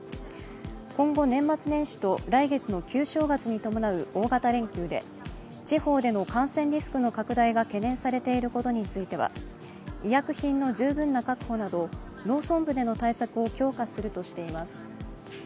今後、年末年始と来月の旧正月に伴う大型連休で地方での感染リスクの拡大が懸念されていることについては医薬品の十分な確保など農村部での対策を強化するとしています。